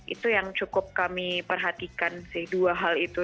itu yang cukup kami perhatikan sih dua hal itu